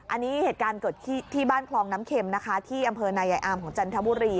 อันนี้เหตุการณ์เกิดที่บ้านคลองน้ำเข็มนะคะที่อำเภอนายายอามของจันทบุรี